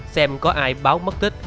xem có ai báo mất tích